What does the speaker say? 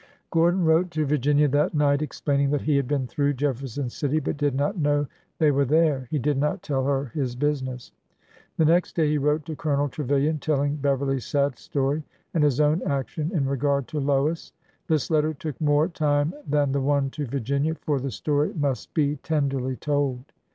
'' Gordon wrote to Virginia that night, explaining that he had been through Jefferson City but did not know they were there. He did not tell her his business. The next day he wrote to Colonel Trevilian, telling Beverly's sad story and his own action in regard to Lois. This letter took more time than the one to Virginia, for the story must be tenderly told.